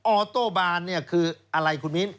ออโต้บานเนี่ยคืออะไรคุณมิ้น